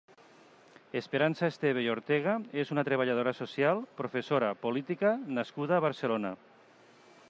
Esperança Esteve i Ortega és una treballadora social, professora, política nascuda a Barcelona.